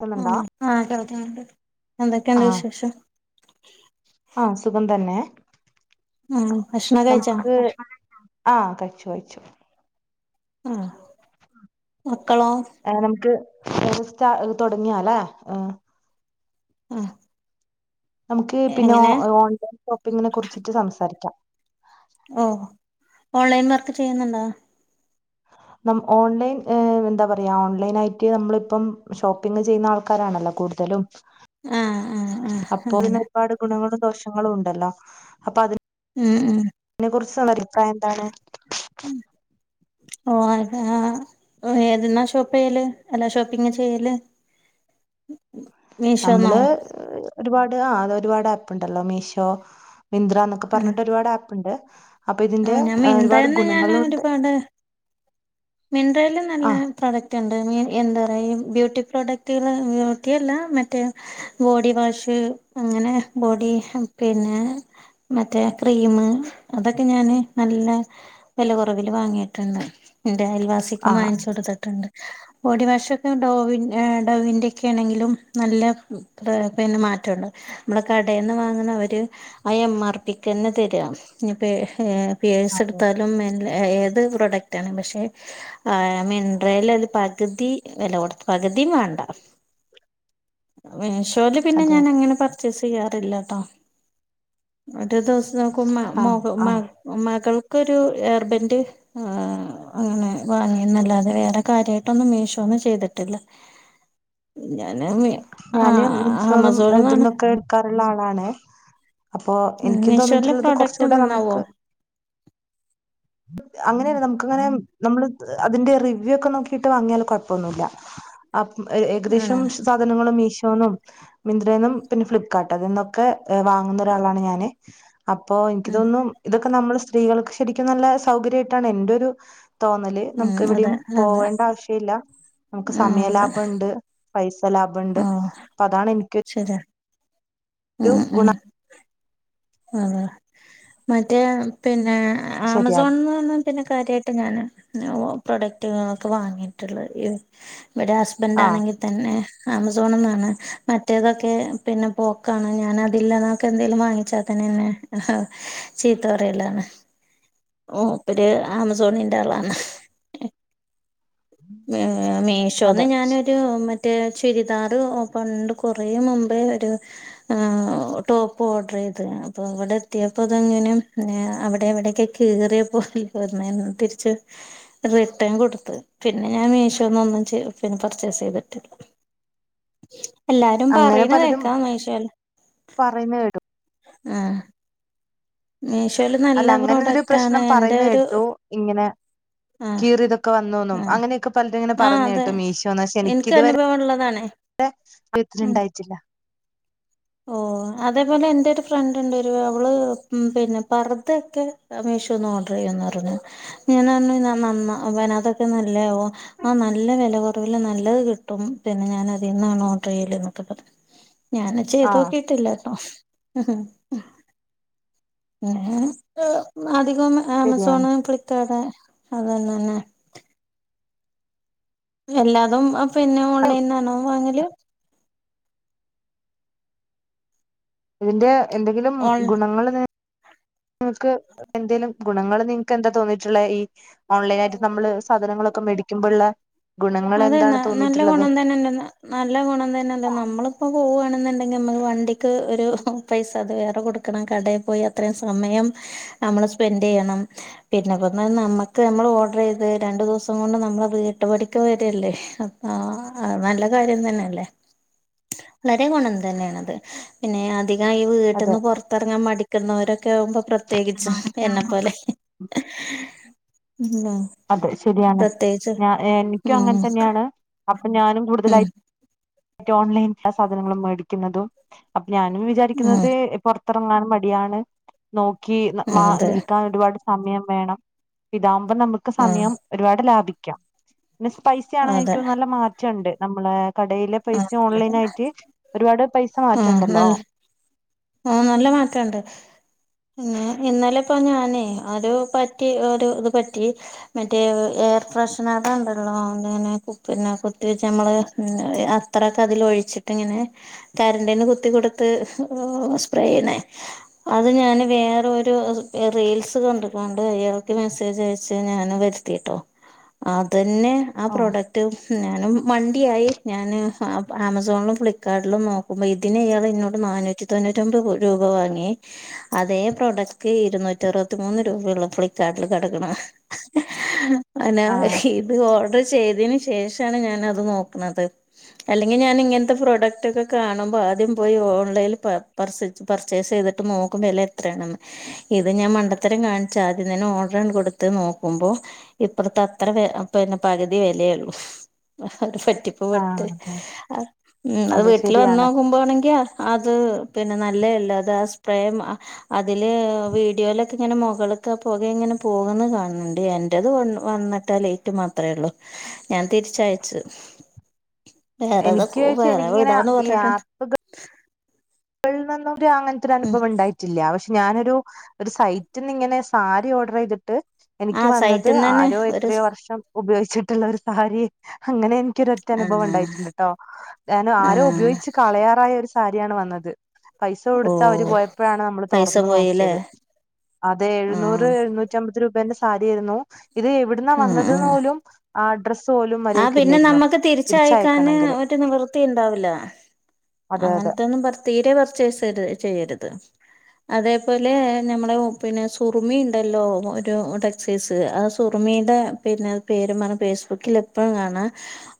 ക്കുന്നുണ്ടോ ഉം ആ [unintelligible] എന്തൊക്കെയണ്ട് ആഹ് വിശേഷം ആഹ് സുഖം തന്നെ ആഹ് ഭക്ഷണം കഴിച്ച നമുക്ക് ആഹ് കഴിച്ചു കഴിച്ചു ആഹ് മക്കളോ ഏ സ് തുടങ്ങിയാലേ ഏ ആഹ് നമുക്ക് പിന്നെ എങ്ങനെ ഓൺലൈൻ ഷോപ്പിംഗിനെ കുറിച്ചിട്ട് സംസാരിക്കാം ഓ ഓൺലൈൻ വർക്ക് ചെയ്യുന്നുണ്ടോ ന ഓൺലൈൻ എന്താ പറയാ ഓൺലൈൻ ആയിട്ട് നമ്മളിപ്പം ഷോപ്പിംഗ് ചെയ്യുന്ന ആൾക്കാരാണല്ലോ കൂടുതലും ആഹ് ആഹ് ആഹ് അപ്പൊ അങ്ങനെ ഇന്നെ ഒരുപാട് ഗുണങ്ങളും ദോഷങ്ങളും ഉണ്ടല്ലോ അപ്പൊ അതിന് ഉം ഉം എന്താണ് ആഹ് ഓ ഏതെന്നാ ഷോപ്പ് ചെയ്യല് അല്ലാ ഷോപ്പിങ് ചെയ്യല് മീഷോന്നോ നമ്മള് ഒരുപാട് ആ അത് ഒരുപാട് ആപ്പ് ഉണ്ടല്ലോ മീഷോ മിന്ദ്ര എന്നൊക്കെ ആഹ് പറഞ്ഞിട്ട് ഒരുപാട് ആപ്പ് ഉണ്ട് അപ്പൊ ഇതിന്റെ ആഹ് ഞാൻ ഒരുപാട് മിന്ത്രേന്ന് ഗുണങ്ങളും ഉണ്ട് മിന്ദ്രയില് നല്ല പ്രോഡക്റ്റ് ഉണ്ട് എന്താ പറ ബ്യട്ടി പ്രോഡക്റ്റ് ബ്യൂട്ടി അല്ല മറ്റേ ബോഡി വാഷ് അങ്ങനെ ബോഡി പിന്നെ മറ്റേ ക്രീമ് അതൊക്കെ ഞാന് നല്ല വില കുറവില് വാങ്ങിയിട്ടുണ്ട് എന്റെ അയൽവാസിക്കും ആഹ് വാങ്ങിച്ചു കൊടുത്തിട്ടുണ്ട് ബോഡി വാഷ് ഒക്കെ ഡോവി ഡോവിന്റെറെ ഒക്കെ ആണെങ്കിലും നല്ല പിന്നെ മറ്റണ്ട് നമ്മുടെ കടയിൽ നിന്ന് വാങ്ങുന്ന അവര് ആ എം ആർ പിക്ക് തന്നെ തരിക ഇപ്പോ പിയേഡ്സ് അതെ എടുത്താലും മ ഏത് പ്രോഡക്റ്റ് ആണ് പക്ഷെ മിൻന്ദ്ര അത് പകുതി വില കൊടുത്ത പകുതി വേണ്ട മീശേയില് പിന്നെ അതെ ഞാൻ അങ്ങനെ പർച്ചേസ് ചെയ്യാറില്ലട്ടോ ഒരു ദിവസം നോക്കും ആഹ് ആഹ് മകൾക്കൊരു എർബെന്റ് അങ്ങനെ വാങ്ങി എന്നല്ലാതെ വേറെ കാര്യമായിട്ടൊന്നും മീശോ ഒന്നും ചെയ്തിട്ടില്ല ഞാന് ആ ഞാന് മിശോന്നുംന്നും ആമസോണിന്നാണ് ഇതിൽന്നൊക്കെ എടുക്കാറുള്ള ആളാണ് അപ്പൊ എനിക്കും മീഷോയിലെ തോന്നിട്ടുള്ളത് പ്രോഡക്റ്റ് കുറച്ചുകൂടെ നന്നാവോ നമുക്ക് അങ്ങനെയ നമുക്കങ്ങനെ നമ്മള് അതിന്റെ റിവ്യൂ ഒക്കെ നോക്കിട്ട് വാങ്ങിയാല് കുഴപ്പൊന്നുമില്ല അ ആണോ ഏകദേശം സാധനങ്ങളും മീശോ ന്നും മിന്ദ്രന്നും പിന്നെ ഫ്ലിപ്പ്കാർട്ട് അതന്നൊക്കെ വാങ്ങുന്ന ഒരാളാണ് ഞാന് അപ്പൊ എനിക്ക് ഉം തോന്നും ഇതൊക്കെ നമ്മള് സ്ത്രീകൾക്ക് ശരിക്കും നല്ല സൗകര്യമായിട്ടാണ് എന്റെ ഒരു തോന്നല് നമുക്ക് ഉം അതെ എവിടെയും അതെ പോകേണ്ട ആവശ്യം ഇില്ല നമുക്ക് ആ സമയ അതെ ലാഭം ഉണ്ട് പൈസ ലാഭുണ്ട് ഓ അപ്പോ അതാണ് ശരി ഒരു ഗുണം ആ മറ്റേ പിന്നെ ശരിയാണ് ആമസോൺന്ന് പിന്നെ കാര്യമായിട്ട് ഞാൻ പ്രൊഡക്റ്റുകളൊക്കെ വാങ്ങിയിട്ടുള്ളത് ഇവിടെ ഹസ്ബൻഡ് ആഹ് ആണെങ്കിൽ തന്നെ ആമസോൺന്നാണ് മറ്റേതൊക്കെ പിന്നെ പോക്കാണ് ഞാൻ അതില്ലെന്നൊക്കെ എന്തേങ്കലും വാങ്ങിച്ചാൽ തന്ന എന്നെ ചീത്ത പറയലാണ് ഓ മൂപ്പര് ആമസോണിന്റെ ആളാണ് മീശോന്ന് അതെ ഞാനൊരു മറ്റേ മറ്റേ ചുരിദാറ് പണ്ട് കുറെ മുമ്പേ ഒരു ടോപ്പ് ഓർഡർ ചെയ്യ അപ്പൊ ഇവിടെ എത്തിയപ്പോ അതെങ്ങനും അവിടെ ഇവിടെ ഒക്കെ കീറിയ പോലെ തിരിച്ച് റിട്ടേൺ കൊടുത്തു പിന്നെ ഞാൻ മീഷോന്നൊന്നും പിന്നെ പർച്ചേസ് ചെയ്തിട്ടില്ല എല്ലാരും അങ്ങനെ പറയണ പലരും കേൾക്കാം മീശോയില് പറയുന്ന കേട്ടു ആഹ് മീഷോല് നല്ല അല്ല അങ്ങനെതൊരു പ്രോഡക്റ്റ് ആണ് പ്രശ്നം എന്റെ പറയന്ന് ഒരു കേട്ടു ഇങ്ങനെ ആഹ് കീറി ഇതൊക്കെ വന്നന്നും ആഹ് അങ്ങനെയൊക്കെ പലരും ഇങ്ങനെ ആഹ് പറഞ്ഞ് അതെ കേട്ടു മീഷോന്ന് പക്ഷെ എനിക്ക് എനിക്കിതുവരെ അനുഭവം ഉള്ളതാണേ യാട്ട് ഉം ഉണ്ടായിട്ടില്ല ഓ അതേപോലെ എന്റെ ഒരു ഫ്രണ്ട് ഉണ്ട് വരു അവള് പിന്നെ പർദ്ദ ഒക്കെ മീഷോന്ന് ന്ന് ഓഡർ ചെയുന്ന് പറഞ്ഞു നന്നാ പിന്നെ അതൊക്കെ നല്ലേ ആഹ് നല്ല വില- കുറവില്ലേ നല്ലത് കിട്ടും പിന്നെ ഞാൻ അതിന്നാണ് ഓഡർ ചെയ്യല് എന്നൊക്കെ പറഞ്ഞു ഞാനെ ആഹ് നോക്കിയിട്ടില്ലട്ടോ അ ശരിയാണ് ആമസോണ് ഫ്ലിപ്കാർട്ട് അത് തന്നെ തന്നെ എല്ലാതും പിന്നെ ഓൺലൈൻന്നണോ വാങ്ങല് ഇതിന്റെ എന്തെങ്കിലും ഓൺ ഗുണങ്ങൾ- [unintelligible] നിങ്ങക്ക് എന്തെങ്കലും ഗുണങ്ങൾ നിങ്ങക്ക് എന്താ തോന്നിയിട്ടുള്ള ഈ ഓൺലൈൻ ആയിട്ട് നമ്മള് സാധനങ്ങളൊക്കെ മേടിക്കുമ്പോഴുള്ള അതന്നാ നല്ല ഗുണം തന്നെന്നാല്ല നല്ല ഗുണം തന്നെല്ല നമ്മളിപ്പോ പോവാണ് ണ്ടെങ്കിൽ നമ്മക്ക് വണ്ടക്ക് ഒരു പൈസ് - ത് വേറെ കൊടുക്കണം കടയിൽ പോയി അത്ര സമയം നമ്മൾ സ്പെന്റ് ചെയ്യണം പിന്നെ നമ്മുക്ക് നമ്മൾ ഓർഡർ ചെയ്ത് രണ്ടു ദിവസം കൊണ്ട് നമ്മളെ വീട്ടുപാടി രില്ലേ അപ്പ നല്ല കാര്യം തന്നെയല്ലേ വളരെ ഗുണം തന്നെയണത് പിന്നെ- അധികം ഈ വീട്ടിൽ അതെ നിന്ന് പുറത്തിറങ്ങാൻ മടിക്കുന്നവരൊക്കെ- ഒക്കെ ആകുമ്പോ പ്രത്യേകിച്ചും എന്നെ പോലെ അതെ ശരിയാണ് പ്രത്യേകിച്ച് ഞാൻ എ- നിക്കും ഉം അങ്ങനെ തന്നെയാണ് അപ്പൊ ഞാനും ഉം കൂടുതലായി ഓൺലൈൻ ആ സാധനങ്ങളും മേടിക്കുന്നതും അപ്പൊ ഞാനും ഉം വിചാരിക്കുന്നത് പുറത്തി റാങ്ങൻ മടിയാണ് നോക്കി മാ ഉം അതെ നിൽക്കാൻ ഒരുപാട് സമയം വേണം ഇതാവകുമ്പോ നമുക്ക് ആഹ് സമയം ഒരുപാട് ലാഭിക്കാം പിന്നെ സ്പൈസി ആണ് അതെ എനിക്ക് നല്ല മാറ്റമുണ്ട് നമ്മള് കടയിലെ പൈസ ആഹ് ഓൺലൈൻ ആയിട്ട് ഒരുപാട് പൈസ മാറ്റുണ്ടല്ലോ ആഹ നല്ല മാറ്റണ്ട് പിന്നെ ഇന്നലെ ഇപ്പൊ ഞാനേ ഒരു പറ്റി ഒരു ഇത് പറ്റി മറ്റേ എയർ ഫ്രഷ്നഅത ഉണ്ടല്ലോ അ കുപ്പന്നെ കുത്തി വെച്ച് നമ്മള് അത്രൊക്കെ അതിൽ ഒഴി- ച്ചിട്ടിങ്ങനെ കാറിന്റിന് കുത്തി കൊടുത്ത് സ്പ്രേണെ അത് ഞാന് വേറരു റീൽസ് കണ്ട്കൊണ്ട് അവർക്ക് മെസേജ് അയച്ച് ഞാന് വരുത്തിട്ടോ അതന്നെ ആ പ്രൊഡക്റ്റും ഞാനും മാണ്ടിയായി ഞാൻ ആമസോണിലും ഫ്ലിപ്പ്കാർട്ടിലും നോക്കി ക്കുമ്പോ ഇതിനയാൾ എന്നോട് നാനൂറ്റി- തൊണ്ണൂറ്റൊൻമ്പത് രൂപ വാങ്ങി അതേ പ്രോഡക്റ്റ് ഇരുന്നൂറ്റി അറുപത്തിമൂന്ന് രൂപ ഉള്ളു ഫ്ലികാ ർട്ടിൽ കിടക്കാണ് നെ ആഹ് ഇതു ഓഡർ - ചെയ്തെന് ശേഷണ് ഞാനത് നോക്കുന്നത് അല്ലെങ്കിൽ ഞാൻ ഇങ്ങനത്തെ പ്രോഡക് ഒക്കെ കാണുമ്പോ ആദ്യം പോയി ഓൺലൈൽ പാ - പാർസച് പർച്ചേസ് ചെയ്തിട്ട് നോക്കും വില എത്രയാണന്ന് ഇത് ഞാൻ മണ്ടത്തരം കാണിച്ച ആദ്യംതന്നെ ഓഡർ - കൊടുത്ത് നോക്കുമ്പോ ഇപ്പത്തെ അത്ര പിന്നെ പകുതി വിലയള്ളൂ ഒരു പറ്റിപ്പ് ആഹ് പെട്ട് അതെ അ ഉ അത് അതെ വീട്ടിൽ വന്ന് ശരിയാണ് നോക്കുമ്പോ ആണെങ്കിൽ അത് പിന്നെ നല്ലതല്ല അത് ആ സ്പ്രേ അതില് വീഡിയോയിലക്കെ ഇങ്ങനെ മുകളിക്ക് പോകയിങ്ങനെ പോക- പോകന്ന് കാണണ്ടണ്ട് എന്റെത് വന്നിട്ടാ ലേറ്റ് മാത്ര ഉള്ളു ഞാൻ തിരിച്ചയച്ചു എനിക്ക് വേറെതൊക്ക വെച്ച് വേറെ എനിക്കിങ്ങനെ വിടാന്ന് പറഞ്ഞിട്ടുണ്ട് കളിനിന്ന് നഅങ്ങനത്തെ ഒരു ഉം അനുഭവ ഉണ്ടായിട്ടില്ലക്ഷെ ഞാനൊരു ഒരു സൈറ്റിൽ നിന്ന് ഇങ്ങനെ സാരി ഓർഡർ ചെയ്തിട്ട് ആ എനിക്ക് വന്നത് സൈറ്റിന്ന് തന്നെ ആരോ ഒരു എത്രയോ വർഷം ഉപയോഗിച്ചിട്ടുള്ള ഒരു സാരി അങ്ങനെ എനിക്കൊ- അനുഭവം ആഹ് ഉണ്ടായിട്ടുണ്ട് കേട്ടോ ഞാൻ ആര ആഹ് ഉപയോഗിച്ച് കളയാറായ ഒരു സാരിയാണ് വന്നത് പൈസ ഓ കൊടുത്താ അവര് പോയപ്പോഴാണ് നമ്മള് പൈസ തുറന്നു പോയില്ലേ നോക്കിയത് അതെ എഴുന്നൂറ് ആഹ് എഴുന്നൂറ്റിമ്പത് രൂപ ന്റെ സാരിയായിരുന്നു ഇത് എവിടുന്ന വന്നത്െന്ന് പോലും ആ അഡ്രസ്സ് പോലും ആഹ പിന്നെ മര്യാദക്കില്ലായിരുന്നു നമ്മക്ക് തിരിച്ചയക്കാന് തിരിച്ചയക്കണെങ്കില് ഒരു നിവൃത്തി ഉണ്ടാവില്ല അതെ അതെ അങ്ങനത്തെൊന്നും തീരെ പർച്ചേസ് ചെയ്യരുത് അതേപോലെ നഞമ്മളെ പിന്നെ സുറമി ഉണ്ടല്ലോ ഒരു ടെക്സൈസ് ആ സുറമി മ്മീുടെ പിന്നെ പേരുമാണ് ഫേസ്ബുക്കില ഇപ്പഴ കാണാ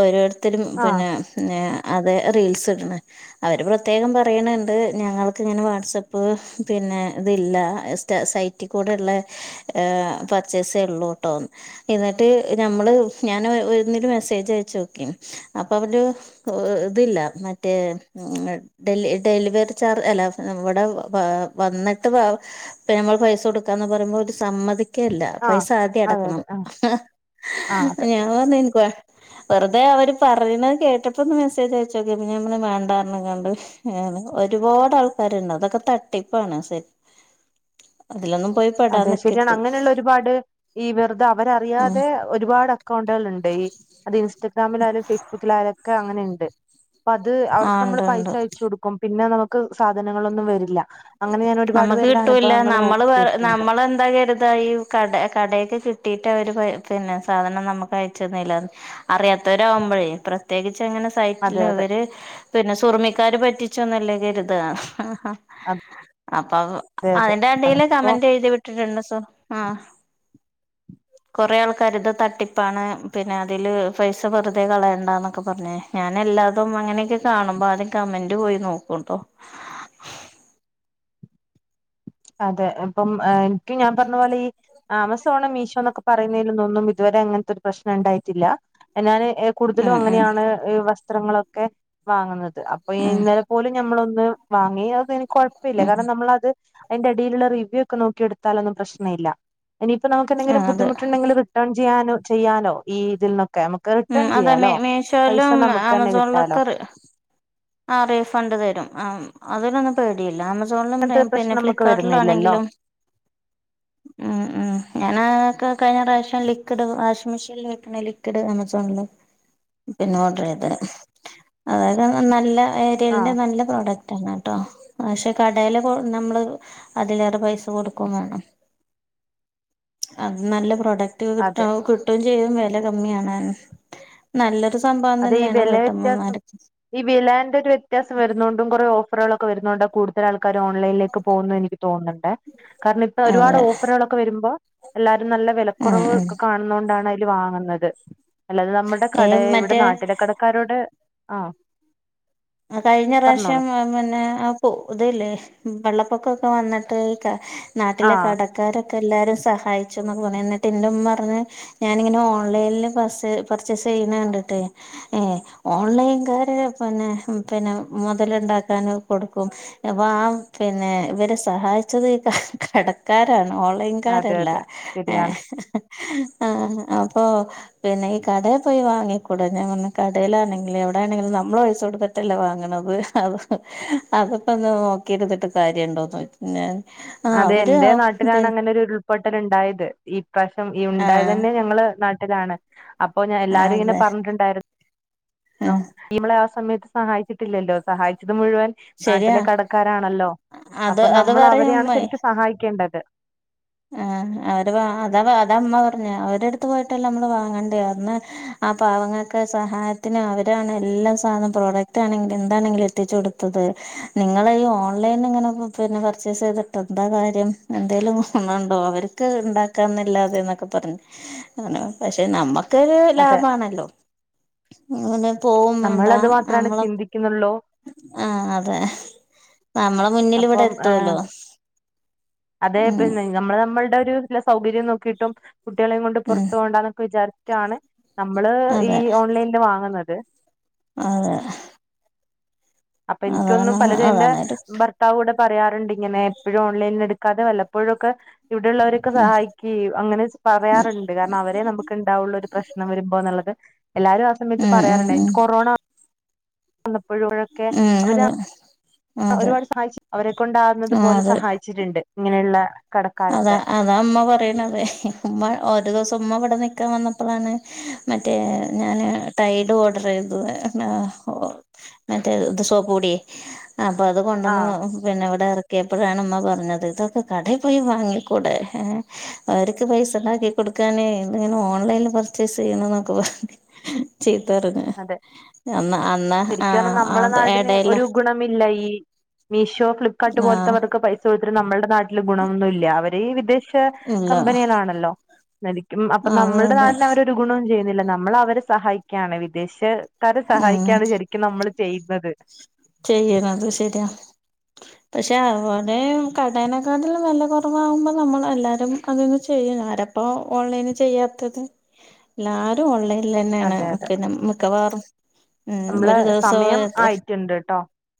ഓരോരുത്തരും ആഹ് പിന്നെ അത റീൽസ് ഇട അവര് പ്രത്യേകം പറയണണ്ട് ഞങ്ങൾക്ക് ഇങ്ങെ വാട്സപ്പ് പിന്നെ സിൽ പച്ചള്ളൂട്ടോ എന്ന നമ്മള് ഞാൻ ഇരു മെസ്സേജ് അയച്ച നോക്കി അപ്പൊ അവര് ഇതില്ല മറ്റേ ഡെല ഡെലിവറി ചാർജ് അല്ല നമ്മടെ വന്നിട്ട് പിന്ന നമ്മൾ പൈസ കൊടുക്കാ ആഹ് അതെ അതെ ആഹ് ആഹ് അതെ ഞ വ വെറുതെ അവര് പറയുന്നത് കേട്ടപ്പോ ഒന്ന് മെസ്സേജ് അയച്ചോക്കെമ്മ വേണ്ടാരന കണ്ട് ഒരുപാട് ആൾക്കാരുണ്ട് അതൊക്കെ തട്ടിപ്പാണ്രി അതെ ശരിയാണ് അങ്ങനെയുള്ള ഒരുപാട് ഈ വെറുതെ ഉം അവരറിയാതെ ഒരുപാട് അക്കൗണ്ടുകൾ ഉണ്ട് അത് ഇൻസ്റ്റാഗ്രാമില ആാലും ഫേസ്ബുക്കില ആാലുംൊക്കെ അങ്ങനെയണ്ട് അപ്പ അത് ആ അവർക്ക് നമ്മള് ഉണ്ട് പൈസ ഉണ്ട് അയച്ച കൊടുക്കും പിന്നെ നമുക്ക് സാധനങ്ങളൊന്നും വരില്ല അങ്ങനെ ഞാൻ ഒരുപാട് നമ്മക്ക് പേരുടെ കിട്ടൂല്ല അനുഭവങ്ങൾ നമ്മള് പറ നോക്കിട്ട് നമ്മളെന്താ കരുതാ ഈ കട കടൊക്കെ കിട്ടിട്ട് അവര് പിന്നെ സാധനം നമുക്ക് അയച്ചന്നില്ല അറിയാത്തവരാകുമ്പോഴേ പ്രത്യേകി നെ സറ്റ അതെ അതെ ഇവര് പിന്നെ സുർമിക്ക പറ്റി ച്ചോ നല്ല കരുത അപ്പൊ അതെ അതെ അതിന്റെ അടയില് അപ്പൊ കമന്റ് എഴുതി വിട്ടിട്ടുണ്ട് സോ ആ കുറെേ ആൾക്കാാര് ഇത് തട്ടിപ്പാണ് പിന്നെ അതില് പൈസ വെറുതെ കളയണ്ടന്നൊക്കെ പറഞ്ഞ ഞാന ല്ലാതും അങ്ങനെയൊക്കെ കാണുമ്പോ ആദ്യം കമന്റ് പോയി നോക്കൂട്ടോ അതെ ഇപ്പം എനക്ക് ഞാൻ പറഞ്ഞ പോലെ ഈ ആമസോണോ മീഷോ എന്നൊക്കെ പറയുന്നതിലന്നും ഇതുവരെ ടെ അങ്ങനത്തെ ഒരു പ്രശ്നം ഉണ്ടായിട്ടില്ല എന്നൻ കൂടുതലും ഉം ഉം അങ്ങനെയാണ് വസ്ത്രങ്ങളൊക്കെ വാങ്ങുന്നത് അപ്പോൊ ഉം ഇന്നലെ പോലും നമ്മൊ വാങ്ങി അത് എനിക്ക് കുഴപ്പമില്ല ഉം കാരണം നമ്മളത് അതിന്റെ അയില റിവ്യൂ ഒക്കെ നോക്കെടുത്താൊന്നുംശനമല്ല ഇനിയിപ്പ നമുക്ക്ന്തങ്കിലും ആഹ് അതെ ബുദ്ധിമുട്ടുണ്ടെങ്കിൽിട്ട ചെയ്യാനോ ചെയ്യാനോ ഈ ഇതിൽക്കെ ഉം അതാ മ മീഷോയിലും നമുക്ക് തന്നെ കിട്ടാലോ ആമസോണിലൊക്കെറി ആ റീഫണ്ട് തരും ആ അതിലൊന്നും പേടിയില്ല അങ്ങനത്തെ ആസോണിലും പിന്നെ പ്രശ്നം നമുക്ക് വരുന്നില്ലല്ലോ ഫ്ലിപ്പ്കാർട്ടിലാണെങ്കിലും ഉ ഞൻ കഴിഞ്ഞ പ്രാവശം ലിക്വിഡ് വാഷിംഗ് മെഷീനിൽ വെക്കണേ ലിക്വിഡ് ആമസോണില് പിന്നോഓട ഇത് അതക നല്ല ആ ഏരിയലിന്റെ നല്ല പ്രോഡക്റ്റ് ആണ് കേട്ടോ പക്ഷെ കടയില കൊ നമ്മള് അതിലേറെ പൈസ കൊടുക്കും വേണം അ നല്ല പ്രോഡക്ട് അതെ ക ചെയ വ ന സംഭവം അത് ഈ തന്നെയാണ് വില വ്യത്യാസം വീട്ടമ്മമാർ ഈ വിലാന്റെ ഒരു വ്യത്യാസം വരുന്നുതണ്ടും കുറേ ഓഫറുകളൊക്കെ വരുന്നുണ്ട കൂടുതൽ ആൾക്കാർ ഓൺലൈനിലേക്ക് പോകുന്നു എനിക്ക് തോന്നുന്നുണ്ട് കാരണം ഇപ്പ ഒരുപാട് അതെ ഓഫറുകളൊക്കെ വരുമ്പോ എല്ലാരും നല്ല ഉം വിലക്കുറവ് ഉം ഒക്കെ കാണുന്ന കൊണ്ടാണ് വാങ്ങുന്നത് അല്ലാതെ നമ്മുടെ ഈ കട ഇവിടെ മറ്റേ നാട്ടില കടക്കാരോടെ ആ ആ കഴിഞ്ഞ പ്രാവശ്യം പിന്നെ ആ ഇതല്ലേ വെള്ളപ്പൊക്ക വന്നിട്ട്. ഈ നാട്ടിലെ ആഹ് കടക്കാരൊക്കെ എല്ലാരും സഹായിച്ന്നൊക്കെ പർഞ്ഞു. എന്നിട്ട് എൻ്റുമ്മർഞ്ഞു ഞാന്ങ്ങനെ ഓൻലൈന്ല് പർചയ്സ് ചെയ്യ്ണ കണ്ടിട്ട് ഏ ഓൺലൈൻ കാര് പിന്നെ പിന്നെ മുതലുണ്ടാക്കാനൊക്കെ കൊടുക്കും. അപ്പൊ ആ പിന്നെ ഇവരെ സഹായിച്ചത് കടക്കാരാണ് അതെ ഓൺലൈൻകാരല്ല. അതെ ഏ... ശരിയാണ് ആഹ് അപ്പൊ പിന്നെ ഈ കടേ പോയി വാങ്ങിക്കൂടെ ഞാൻ പർഞ്ഞു കടയിലാണെങ്കില എവിടാണെങ്കിലും നമ്മൾ പൈസ കൊട്ത്തിട്ട ല്ലേ വാങ്ങ്ണത് അത് അത്പ്പോ ഇന്ന് നോക്കി ഇരുന്നിട്ട് കാര്യണ്ടോന്ന്ചോയ്ക്കും ന്നെ അതെ എന്റെ നാട്ടിലാണ് അങ്ങനൊരു ഉരുൾപൊട്ടല് ഉണ്ടായത് ഈപ്രാവശ്യം ഈ ആ ഉണ്ടായതെന്നെ ഞങ്ങള് നാ ലാണ് അപ്പോ ഞാ എല്ലാരും ഇങ്ങനെ അതെ പറഞ്ഞിട്ടുണ്ടായി [unintelligible] ആ ന്നു സമയത്ത് സഹായിച്ചിട്ടില്ലല്ലോ സഹായിച്ച ഇത് മുഴുവൻ ശരിയാ നാട്ടിലെ കടക്കാരാണല്ലോ അത് അപ്പൊ അത് നമ്മൾ അവരെയാണ് ശരിക്കും സഹായിക്കേണ്ടത് എഹ് അവര് ആഹ് അതമ്മ പറഞ്ഞേ അവരട്ത്ത് പോയിട്ടല്ലേ നമ്മൾ വാങ്ങണ്ടേ ആഹ് പാവങ്ങ ക്കെ സഹായത്തിന് അവരാണ് എല്ല സാധനം പ്രോഡക്റ്റ് ആണെങ്കിലും എന്താണെങ്കിലും എത്തിച്ചു കൊടുത്തത് നിങ്ങൾ ഈ ഓൺലൈനിൽ ഇങ്ങനെ പിന്നെ പർച്ചേസ് ചെയ്തിട്ട് എന്താ കാര്യം എന്തേലും ഗുണണ്ടൊ അവർക്ക് ഉണ്ടാക്കാന്നല്ലാതെ എന്നൊക്കെ പറഞു അതാ [unintelligible] പക്ഷെ നമ്മക്ക് ക്ക് അതെ ലാഭാണല്ലോ ഇങ്ങനൊ പോവും നമ്മൾ വേണ്ടാ അത് മാത്രമാണ് അമ്മള് ചിന്തിക്കുന്നുള്ളൂ ആഹ് അതെ നമ്മളെ മുന്നില് ഇവടെ അപ്പം ഏഹ്, എത്തോല്ലോ ഉം നമ്മള് നമ്മളുടെ ഒരു ല സൗകര്യം നോക്കിയിട്ടും കുട്ടികളെയും കൊണ്ട് ഉം പൊറ്ത്തു പോണ്ടാന്നൊക്കെ വിചാരിച്ചിട്ടാണ് നമ്മള് ഈ അതെ ഓൺലൈനില് വാങ്ങ്ന്നത് അതെ അപ്പൊ ഇൻക്കൊന്നും അതാണ് പലതും എന്റെ അതാണൊരു ഭർത്താവൂടെ പറയാറ്ണ്ട് ഇങ്ങനെ എപ്പോഴും ഓൺലൈനിന്ന് എടുക്കാതെ വല്ലപ്പോഴൊക്കെ ഇവിടെയുള്ളവരൊക്കെ ഉം സഹായിക്കെ യു അങ്ങനെ സ് പറയാറ്ണ്ട് കാരണം അവരെ നമുക്ക് ഉണ്ടാവുള്ളൂ ഒരു പ്രശ്നം വരുമ്പോന്നുള്ളത് എല്ലാവരും ആ ഉം സമയത്ത് പറയാറ്ണ്ട് ഉം എനിക്ക് കൊറോണ വന്നപ്പോ [unintelligible] ഴൊക്കെ അവര് ഉം ഉം അതെ അതെ ഒരുപാട് സഹായിച്ച അവരെക്കൊണ്ടാകുന്നത് ആഹ് പോലെ അതെ സഹായിച്ചിട്ട്ണ്ട് ഇങ്ങനെയുള്ള അതാ കടക്കാരൊക്കെ അതാ അമ്മ പറ് ണത് ഉമ്മ ഓരു ദിവസം ഉമ്മ ഇവിടെ നിക്കാൻ വന്നപ്പളാണ് മറ്റേ ഞാൻ ടൈഡ് ഓർഡർ ചെയ്ത [unintelligible] മറ്റേ ദ് നേ [unintelligible] സോപ്പ് പൊടി അപ്പൊ അത് കൊണ്ടന്നു ആഹ് പിന്നെ ഇവിടെ ഇറക്കിയപ്പോഴാണ് ഉമ്മ പറഞ്ഞത് ഇതൊക്കെ കടേ പോയി വാങ്ങിക്കൂടെ അവർക്ക് പൈസ ഉണ്ടാക്കി കൊടുക്കാന് ഇത്ങ്ങനെ ഓൺലൈനിൽ പർച്ചേസ് [unintelligible] ന്നൊക്കെ പറഞ്ഞ് വെറ്തെ അതെ എന്നാ അന്ന ശരിക്കും പറഞ്ഞാ ആ നമ്മളെ നാടിന് എടേല് ഒരു ഗുണമില്ല ഈ മീഷോ ഫ്ലിപ്കാർട്ട് പോലത്തെ ആഹ് വർക്ക് പൈസ കൊടുത്തിട്ട് നമ്മളുടെ നാട്ടില് ഗുണൊന്നും ഇല്ല അവര് വിദേശ ഇല്ല കമ്പനികളാണല്ലോ ന്നലിക്കും അപ്പൊ അതെ നമ്മുടെ അതെ നാടിന് അവര് ഒരുഗുണവും ചെയ്യ നില നമ്മളവരെ സഹായിക്ക്യാണ് വിദേശക്കാരെ സഹായിക്കാണ് ശരിക്കും നമ്മള് ചെയ്യുന്നത് ചെയ്യണം അത് ശര്യാ പക്ഷെ അവടെ കടനേക്കാട്ടിലും വെല കുറവാ ഉമ്പോ നമ്മൾ എല്ലാരും അതങ്ങ് ചെയ് ആരാപ്പൊ ഓൺലൈന് ചെയ്യാത്തത് എല്ലാരും ഓൺലൈ ല്ലന്നേണ് പിന്നെ മിക്കവാറും ഉം അമ്ലെ ഒരു സമയം ദിവസം ആയിട്ട്ണ്ട് ട്ടോ